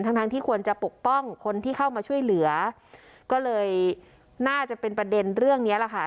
ทั้งทั้งที่ควรจะปกป้องคนที่เข้ามาช่วยเหลือก็เลยน่าจะเป็นประเด็นเรื่องเนี้ยแหละค่ะ